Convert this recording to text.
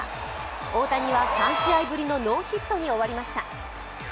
大谷は３試合ぶりのノーヒットに終わりました。